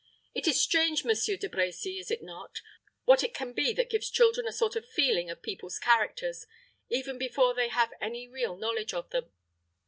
It is strange, Monsieur De Brecy, is it not, what it can be that gives children a sort of feeling of people's characters, even before they have any real knowledge of them.